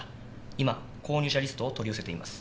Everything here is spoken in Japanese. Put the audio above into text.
今購入者リストを取り寄せています。